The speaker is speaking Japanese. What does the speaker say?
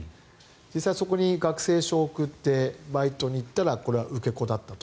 実際そこに学生証を送ってバイトに行ったらこれは受け子だったと。